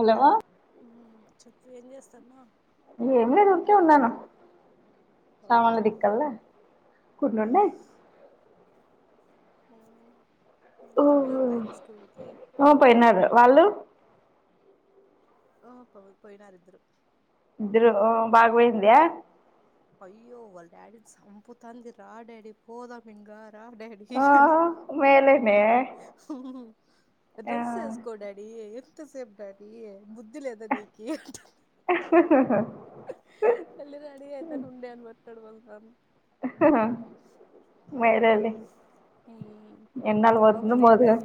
Hello హ చెప్పు ఏం చేస్తాన్నవ్ ఏం లేదు దూరికే ఉన్నాను సామాన్ల అవునా దడిక్కల్లా కొన్ని ఉన్నాయి అ ఊహు ఆ పోయినారు వాళ్ళు ఓహో పోయినారు ఇద్దరు ఇద్దరూ బాగా పోయిందా అయ్యో వాళ్ళ డాడీ నీ సంపుతాంది రా డాడి పోదాం ఇంగ ఆహా మేలే హుహు ఆ డ్రెస్ వేసుకో డాడీ ఎంత సేపు డాడి ముద్ బుద్ధి లేదా నికి అంటుంది హా వెళ్ళి రెడీ అయితే [unintelligible] హా హా మెరెల్లి ఈ ఆ పాప కి మోదుగా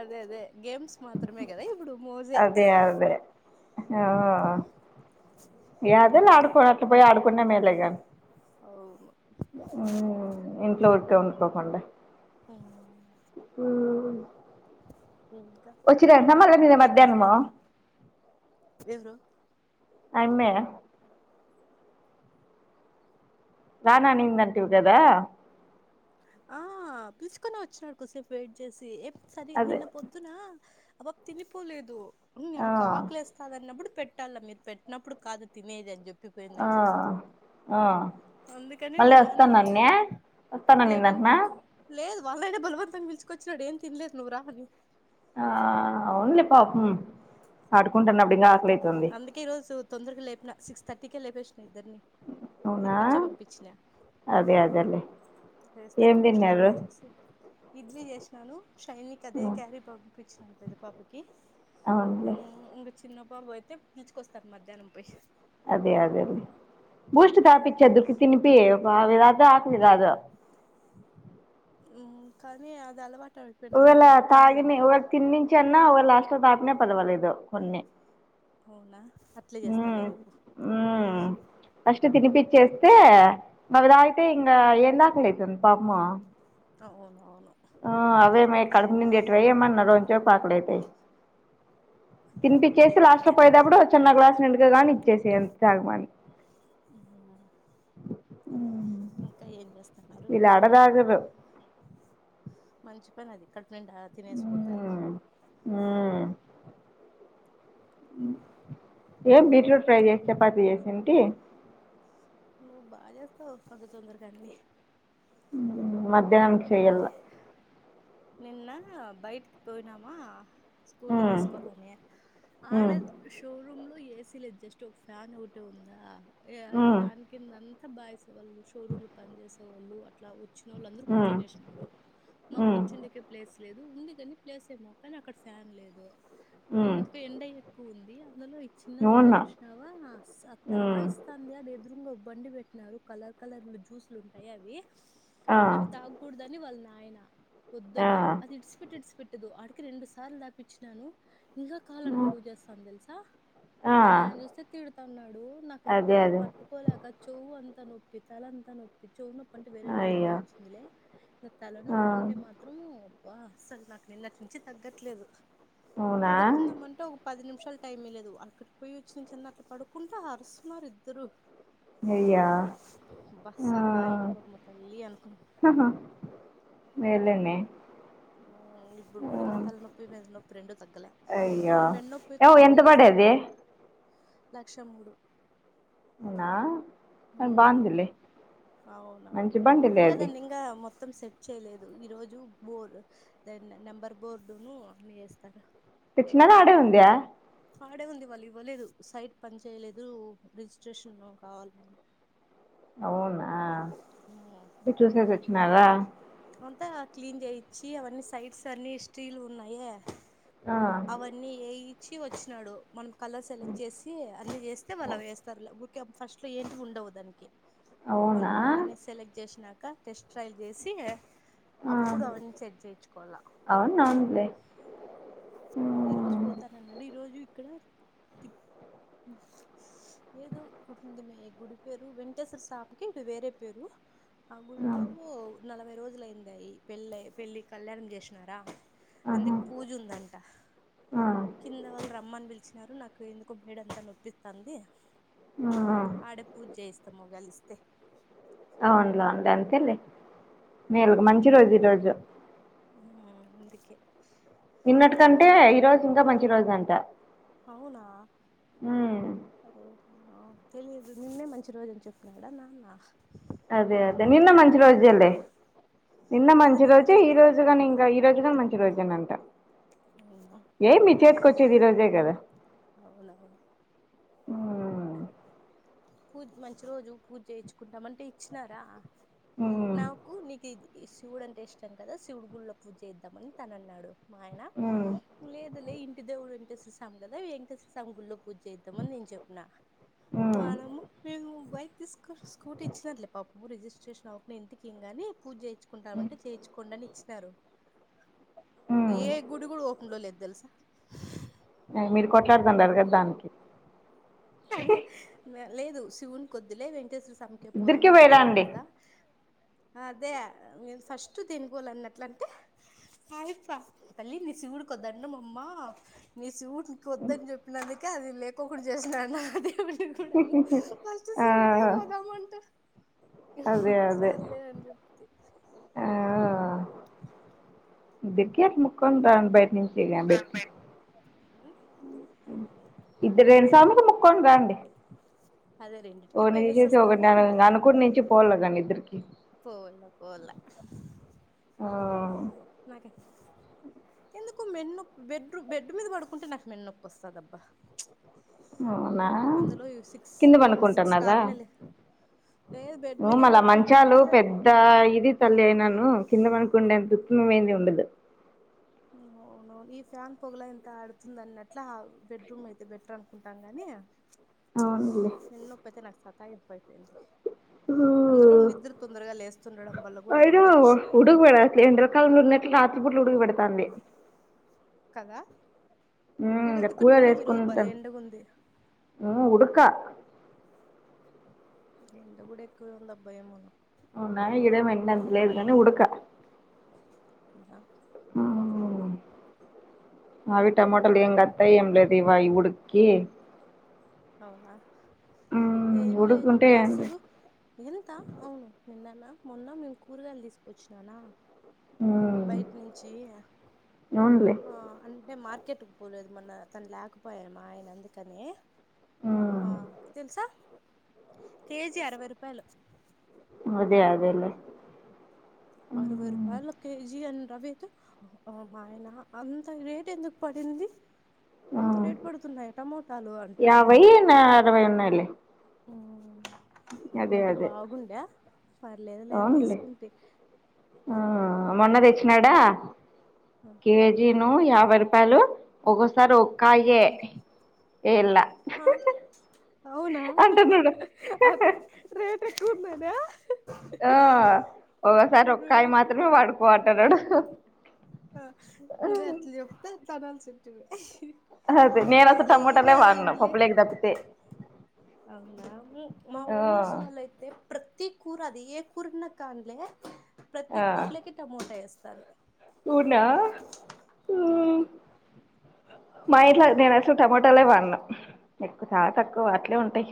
అదే అదే గేమ్స్ మాత్రమే కదా ఇప్పుడు మోజే అదే అదే యాదోలె ఉమ్, ఆడుకో అలా పోయి ఆడుకున్న మేలేగా అవు హు ఇంట్లో ఊరికే ఉండుకోకుండా హు హు వచ్చిరెంటానా నిన్న ఏం చేస్త మధ్యానము ఎవరు యమ్మే రాను అనిందంటివి కదా ఆ పిలుచుకొని వచ్చినడు కొసేపు వెయిట్ చేసి ఏం సరి అదే నిన్న పొద్దునా ఆ పాప తినిపోలేదు ఆ నాకు ఆకలి వస్తాదన్నప్పుడు పెట్ట పెట్టాలా మీరు పెట్టినప్పుడు కాదు తినేది అని చెప్పి ఆ ఆ అందుకని మళ్ళీ వాళ్ళ నాన్న వస్తాను అన్నయ వస్తా లెవెన్ క లేదు వాళ్ళై నాయనే బలవంతంగా పిలుచుకొచ్చినాడు ఏం తినలేదు నువ్వు రా అని ఆ అవునులు పాపం ఆడుకుంటేఇంగ ఆకలే అందుకే ఈ రోజు తొందరగా లేపిన సిక్స్ థర్టీ కే లేపేసిన ఇద్దరిని అవునా తినిపించే పంపించిన అదే అదేలే లేస్తేనే ఏం బూస్ట్ తిన్నారు తాపిచ్చెసి ఇడ్లీ చేసినా ను షైనికి అదే క్యారీ పంపించినను పెద్ద పాపకి అవునులే మ్మ్ ఇంగా చిన్న పాప ని అయితే పిలుచుకోస్తాను మధ్యాహ్నం పోయి అదే అదే అదేలే బూస్ట్ తాపిచ్చాద్దు ఉకే తినిపి అదే ఆకలి కాదు మ్మ్ కానీ అది అలవాటు అయిపోయినారు ఒకవేళ తాగిని కావాలంటారు తిన్నించి అన్నా ఒకవేళ లాస్ట్ లో తాపినా పర్వాలేదు కొన్ని అవునా అట్లే చేస్తాలే ఉమ్ రేపు చేస్తే అవి తాగితే ఇంకా ఏంది ఆకలి అవుతుంది పాపము అవునవును ఆ అవి ఏమి కడుపు నిండేటివా ఏమన్నా రోంచెప్ కి ఆకలి అవుతాయి తినిపిచ్చేసి రేపటి లాస్ట్ నుంచి లో అట్లే పోయేతప్పుడు ఓ చిన్న గ్లాస్ నిండుగా గాని ఇచ్చేసేయ్ తాగమాని [inaudible] ఇంకా ఏం చేస్తాన్నారు వీళ్ళు ఆడ తాగరు మంచి పని అది కడుపు నిండా తినేసిపోతారు ఉమ్ నిను ఇంకా బీట్రూట్ ఫ్రై చేసి చపాతి చేసా టీ నువ్వు బాగా చేస్తావు అబ్బ అంతా తొందరగా అన్ని మ్మ్ మధ్యాహ్నానానికి చెయ్యాల్ల నాకు నిన్న బైటకి పోయినామా స్కూటీ ఉమ్ తీసుకోవాల్ల అని ఆడ ఉమ్ షోరూమ్ లో ఏసి లేదు జస్ట్ ఒక ఫ్యాన్ ఒకటే ఉందా ఆ ఉమ్ ఫ్యాన్ కిందంత అంతా బాయ్స్ ఏం వాళ్ళు షోరూమ్ లో పని చేసేవాళ్ళు అట్లా వచ్చిన వాళ్ళందరు ఉమ్ కుర్చున్నారు మాకు ఉమ్ కూర్చుండేకే ఎ ప్లేస్ లేదు ఉంది కానీ ప్లేస్ ఏమో కానీ అక్కడ ఫ్యాన్ లేదు నిన్న ఉమ్ ఎందుకొ ఎండ ఎక్కువ ఉంది అందులో చిన్నది ఉంది అవునా చూసినావ ఉమ్ సతయిస్తాంది అడ ఎదురుంగా బండి పెట్టినారు కలర్ కలర్ల జ్యూస్లు ఉంటాయే అవి ఆ వద్దని వాళ్ళ నాయన ఆ వద్దని అది ఇడిచిపట్టే ఇడిచిపెట్ట ఆడికి రెండు సార్లు తాపిచ్చినాను ఇంకా కావాలని గొడవ చేస్తాంది తెలుసా ఆ వాళ్ళ నాయన చూస్తే తిడుతాన్నాడు నాకైతే అదే అదే పట్టుకోలేక చెవి అంత నొప్పి తలా అంతా నొప్పి చెవి నొప్పి అంటే వేరే రిజన్ అయ్యో వచ్చింది లే ఆ తలనొప్పి అంటే మాత్రం అబ్బా అసలు నాకు నిన్నటి నుంచి తగ్గట్లేదు అవునా పడుకుందామంటే ఒక పది నిమిష టైం లేదు అక్కడికి పోయి వచ్చినిచ్చిఅన్న అట్లా పడుకుంటే అరుస్తున్నారు ఇద్దరు అయ్యో అబ్బ సాతయింపు అమ్మ తల్లి అనుకున్న ఆహా మేలేనే ఇప్పుడు కూడా ఇంకా తలనొప్పి మెడ నొప్పి రెండు తగ్గలే అయ్యో ఈ మెన్నొప్పి ఏమో ఎంత తొందరగా పడేది లేస్తాంటే లక్ష మూడు అవునా బాందిలే మంచి అవునవును బండిలే ఇంకా అది దాన్ని ఇంకా మొత్తం సెట్ చేయ్యలేదు ఈ రోజు బోర్ నెంబర్ బోర్డును అన్ని వేస్తారు తెచ్చినార ఆడే ఉందా ఆడే ఉంది వాళ్ళు ఇవ్వలేదు సైట్ పని చేయలేదు రిజిస్ట్రేషన్ కావాలి అవునా ఉరికు చూసేసి వచ్చినారా అంతా క్లీన్ చేయిచ్చి అవన్నీ సైడ్స్ అన్ని స్టీల్వున్నాయి ఆ అవన్నీ ఏయిచ్చి వచ్చినాడు మనం కలర్ సెలెక్ట్ చేసి అన్ని చేస్తే వాళ్ళవేస్తారు లేక ఊరికే ఫస్ట్ లో ఏంటివి ఉండవు దానికి అవునా మనము అన్ని సెలెక్ట్ చేసినాక టెస్ట్ ట్రైల్ చేసి ఆ అప్పుడు అవన్నీ సట్ చేయిచ్చుకోవల్ల అవును అవునులే ఆ, ఈ రోజు పోతానన్నాడు ఈ రోజు ఇక్కడ ఏదో గుడింది మే. గుడి పేరు వెంకటేశ్వర స్వామికి ఇది వేరే పేరు ఆ గుళ్ళో నలభై రోజులయిందయి అయ్యి పెళ్ళయి పెళ్ళి కళ్యాణం చేసినారా ఆహా అందుకు పూజుందన్ ఆ కింద వాళ్ళు రమ్మని పిలిచినారు నాకు ఎందుకో మేడంతా నొప్పిత్తాంది ఆ ఆడ పూజ చేయిస్తాము ఒగాలిస్తే అంతెలే మేలుగా మంచి రోజు ఈ రోజు మ్ అందుకే నిన్నటి కంటే నా ఈ రోజు ఇంగ మంచి రోజంట. అవునా తెలీదు నిన్నే మంచి రోజని చెప్పినాడా నాన్న అదే అదే నిన్న అందుకని మంచిరోజేలేే చూద్దామని నిన్న అదే మంచి నిన్న రోజే ఈ చూద్దాం రోజుగాని ఇంకా ఈ రోజుగాని మన్ చి రోసినంట అవునా ఏ మీ చేతికొచ్చేది ఈ రోజే కదా అవునవును మ్ పూజ్ మంచి రోజు పూజ చేయించుకుంటాం అంటే ఇచ్చినారా ఉమ్ నాకు నీకిది ఈ శివుడు అంటే ఇష్టం కదా శివుడు గుళ్లో పూజ చేయిద్దామని తనన్నాడు మా ఆయన ఉమ్ లేదు లే ఇంటి దేవుడు వెంకటేశ్వర స్వామి కదా వెంకేశ్వర స్వామి గుళ్ళో పూజ చేయిద్దామని నేను చెప్పిన ఉమ్ వానేమ్మ మేము బైక్ తీసుకు స్కూటీ ఇచ్చినారులే పాపము రిజిస్ట్రేషన్ అవకనే ఇంటికేం కానీ పూజ చేయిు కుంటాం అంటే చేయిచ్చుకోండని ఇచ్చినారు ఉమ్ ఏ గుడి గూడ ఓపన్ లో లేదు తెలుసా ఏ, మీరు కొట్లాడుతాండారు కదా దానికి అదే లేదు శివుని కొద్దిలే వెంక వెంకటేశ్వర స్వామికే పోదాం ఇద్దరికి ఇంటి దేవుడు పోయిరాండి కదా అదే మీరు ఫస్ట్ తిని పోవల్ల అన్నట్లంటే ఆయప్ప తల్లి నీ శివుడికో దండమమ్మ నీ శివు ఇక వద్దని చెప్పినందుకే అది లేకోకుండా చేసినాడు నా దేవుణ్ కూడా అని ఫస్ట్ ఆ శివుడికే పోదామంట అదే అదే సర్లే అని చెప్తి. ఆ ఇద్దరికీ అట్ల మొక్కోని రాండి బయటి నుంచి గాని బెట్టి ఇద్దరు రెండు స్వామికి మొక్కొని రండి అదే రెండిటికి ఒకరిని పోయేసి తీసేసి వస్తాము ఒకర్నియాలా ఇంకా అనుకునిచ్చి పోవల్ల కానీ ఇద్దరికి పోవల్ల పోవల్ల ఆ నాకె ఎందుకో మెన్నొప్ బెడ్ రూ బెడ్ మీద పడుకుంటే నాకు మెన్నొప్పి వస్తదబ్బా అవునా అందులో సిక్స్ కింద సిక్స్ పనుకుంటన్నార కాకనేలే లేదు బెడ్ ఉ మీదే మల్ల మంచాలు పడుకుంటున్నామా పెద్ద ఇది తల్లి అయినా ను కింద పనుకుండే అంతా ఉత్ నువెంజ్ ఉండదు అవునవును ఈ ఫ్యాన్ పొగల ఎంత ఆడుతుంద అన్నట్ల బెడ్రూమ్ అయితే బెటర్ అనుకుంటాం గాని అవునులే మేడనోపైతే నాకు సత్తాఎక్కువైపోయింది ఉ అందులో నిద్ర తొందరగా లేస్తుండడం వల్ల కూడా అయినా అయిండొచ్చు పచ్చ గుడ్లు ఉడుక పెడతాంది కదా ఇంకా ఈడెందుకు నిన్న ఈరోజు బలే ఎండగా ఉంది ఆ ఉడుక ఎండా కూడా ఎక్కువే ఉంది అబ్బా ఏమో ఉన్న ఇడ ఎండ అంతెం లేదుకని ఉడుక ఇంక ఆ ఆవి టమాటల ఎం గాథాయి ఎం లేద ఇవాయి ఉడు కీ అవునా ఏం లేదు ఉడుకుంటే ఏంది బస్సులు ఎంత అవును నినాన్న మొన్న మేము కూరగాయలు తీసుకొచ్చిననా ఉమ్ బయటి నుంచి అవునులే ఆ అంటే మార్ కెట్కు పోలేదు మన తను లేకపోయ మ ఆయన అందుకని ఆ ఉమ్ తెలుసా కేజీ అరవై రూపాయలు అదే అదేలే అరవై ఉమ్ రూపాయల కేజీ అ రవీతో మ ఆయన అంత రేట్ ఎందుకు పడింది ఆ అంత రేటు పడుతున్నాయా టమోటాలు అంట యాభై నా అరవై ఉన్నాయిలే ఆ అంటే అదే ఏమంటే అదే బాగుండే పర్లేదు లేని అవునులే తీసుకుంటి ఆ మొన్న తెచ్చినాడా కేజీను యాభై రూపాయలు ఒక్కోసారి కాయే ఏళ్ళ ఆ అవునా రాటేయేక్కువునదా ఆ ఒకసారి ఒకకాయ మాత్రమే పటుకుపో అంటానడు ఆ నువ్వ అట్లే చెప్తాతే తనంతే చెప్తది అదే నేను అసలు టమోటాలే వాడిను ఏంలే పప్పులోకీ తప్పితే అవునా మా ఆ ఓనర్స్ వాలైతే ప్రతి కూర అది ఏ కూరన్నా కాన్లే ప్రతి కూర్లకి టమోటా వేస్తారు అవున ఆ ఉమ్, మా ఇంట్లో నేను అసలు టమోటాలే వాడను ఎక్కువ చాలా తక్కువ అట్లే ఉంటాయి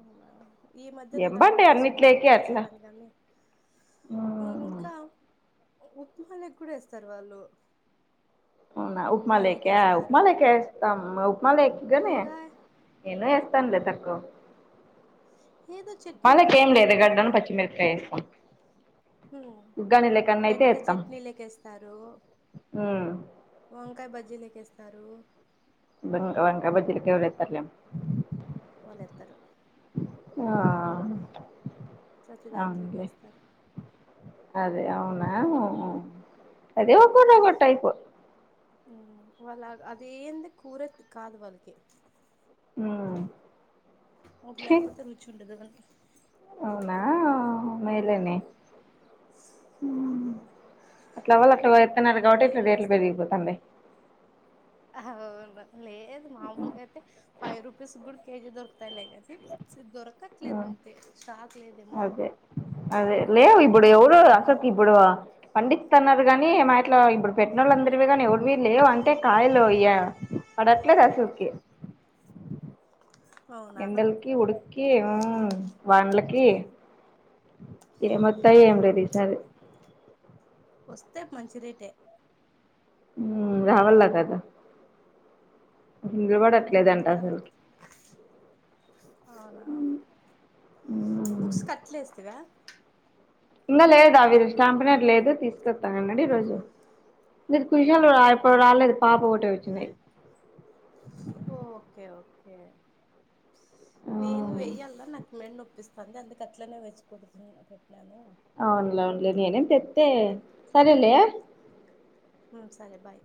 అవునా ఈ మధ్య నేను ఎంబండి అలవాటు చేసుకున్నా అన్నిట్లేకి అప్పుడు అట్లా వేసేదాని కాన్ని మ్మ్. ఇంకా ఉప్మాలోకీ కూడా వేస్తారు వాళ్ళు అవునా ఉప్మా లేక ఉప్మాలోకి ఉప్మా వేస్తారు లేక ఇస్తాం ఉప్మా లేక్ గనే ఇంకా నేను యస్తానులె తక్కువ ఏదో మళ్ళీ చట్నీలోకి ఇక ఏం లేదు వేస్తారబ్బా గడ్డ అని పచ్చిమిరకాయ వేస్తాం హ్మ్ ఉగ్గాని లేకన్నా అయితే బెండకాయ వేస్తాం చట్నీలకేస్తారు మ్మ్. వంకాయ బజీలేకెస్త అందరు వంకాయ బాజిల్ కేవరేతర్లే వాళ్ళేతారు ఆ తెచ్చి అవునులే దాంట్లోకిస్తారు అదే అవునా ఓహో అదే ఒక్కోటి ఒక్కో టైప్ అవుతుంది వాళ్ళ అదేంది కూర కాదు వాళ్ళకి ఆ అది లేకపోతే రుచి ఉంటుదు వాళ్లకి అవునా ఉ మేలేనే అట్లా వాళ్ళ అట్లా ఎస్తున్నారు కాబట్టి ఇట్లా ఏం రేట్లు పెరిగిపోతున్నాయి అవునూ లేదు మామూలుగా అయితే ఫైవ్ రూపీస్ కూడా కేజీ దొరకుతాయి లే దొరకట్లేద అంతే స్టాక్ లేదు కదా అదే అదే లెవ్ ఇప్పుడు ఎవరు ఆసక్ ఇప్పుడు పండిస్తుతున్నారు కాని మా ఇట్లా ఇప్పుడు పెట్టిన వాళ్ళుందరివి కానీ ఎవరువి లేవు అంటే కాయలు ఇయ అడాట్లే రాశకి అవునా ఎండలికి ఉడుకి ఉ వానలకి ఏం మత్తాయి ఏం లేదు ఈసారి వస్తే మంచి రేట్ ఉమ్ రావల్లా కదా ఉమ్ నిలబడట్లేదంట ఇంకా అసలుకి అవునా బుక్స అట్లేస్తివా ఇంగ లేదా విరు స్టాంపినర్ లేదు తీసుకత్త అన్నడు ఈరోజు ఇది కుశాలు రా అవునా ఇప్పుడు రాలేదు పాప ఒక్కటే వచ్చింది ఓ ఓకే ఓకే నేను వెయ్యాల్ల నాకు మెడనొప్పిస్తాంది అందుకే అట్లనే వచ్చి కూర్చున్న అవునులే అవునులే నేనేం తెస్తే సరేలే ఆ సరే బాయ్